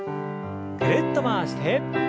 ぐるっと回して。